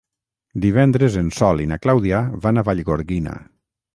Divendres en Sol i na Clàudia van a Vallgorguina.